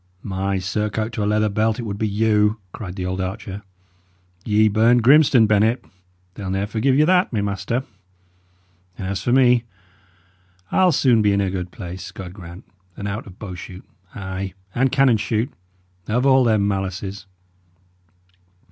"My surcoat to a leather belt, it would be you!" cried the old archer. "Ye burned Grimstone, Bennet they'll ne'er forgive you that, my master. And as for me, I'll soon be in a good place, God grant, and out of bow shoot ay, and cannon shoot of all their malices.